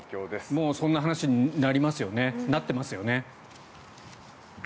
もうそんな話になってますよね。